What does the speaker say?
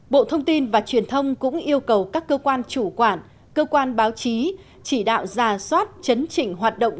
bộ thông tin và truyền thông cũng yêu cầu các cơ quan chủ quản cơ quan báo chí chỉ đạo giả soát chấn chỉnh hoạt động